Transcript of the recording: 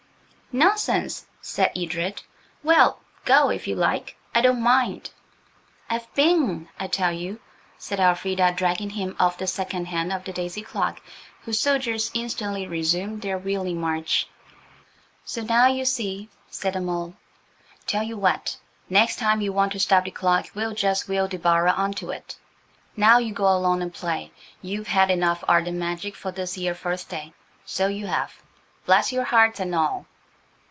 "Nonsense," said Edred. "Well, go if you like; I don't mind." "I've been, I tell you," said Elfrida, dragging him off the second hand of the daisy clock, whose soldiers instantly resumed their wheeling march. "So now you see," said the mole. "Tell you what–next time you wanter stop de clock we'll just wheel de barrer on to it. Now you go along and play. You've had enough Arden magic for this 'ere Fursday, so you 'ave, bless yer hearts an' all."